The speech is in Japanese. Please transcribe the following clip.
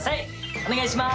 お願いします。